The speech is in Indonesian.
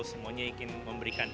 semuanya ingin memberikan